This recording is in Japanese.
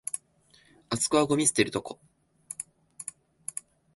あそこはゴミ捨てるとこ